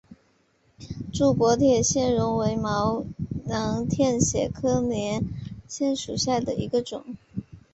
柱果铁线莲为毛茛科铁线莲属下的一个种。